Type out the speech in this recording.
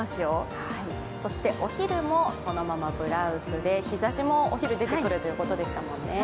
お昼もそのままブラウスで日ざしもお昼、出てくるということでしたもんね。